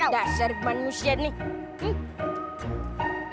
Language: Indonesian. dasar manusia nih